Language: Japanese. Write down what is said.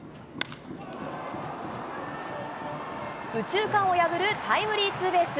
右中間を破るタイムリーツーベース。